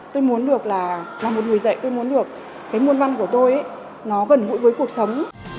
tôi muốn được là một người dạy tôi muốn được cái môn văn của tôi nó gần gũi với cuộc sống